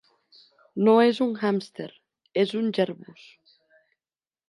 No és un hàmster, és un jerbus.